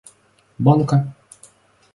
банка